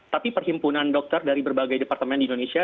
tapi perhimpunan dokter dari berbagai departemen di indonesia